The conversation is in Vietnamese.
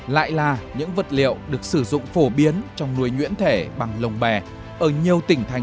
lại là những vật liệu được sử dụng phổ biến trong nuôi nhuyễn thể bằng lồng bè ở nhiều tỉnh thành